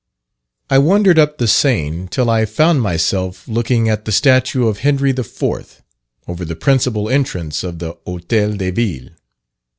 I wandered up the Seine, till I found myself looking at the statue of Henry the IV. over the principal entrance of the Hotel de Ville.